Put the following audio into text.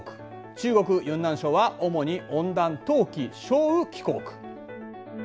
中国・ユンナン省は主に温暖冬季小雨気候区。